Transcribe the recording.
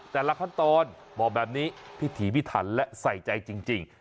แต่ละขั้นตอนบอกแบบนี้พิถีพิถันและใส่ใจจริง